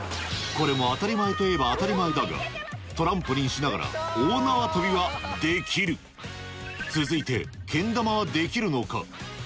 これも当たり前といえば当たり前だがトランポリンしながら続いてけん玉はできるのか？